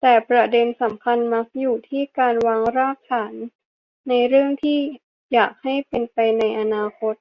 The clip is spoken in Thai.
แต่ประเด็นสำคัญมักอยู่ที่การวางรากฐานในเรื่องที่อยากให้เป็นไปในอนาคต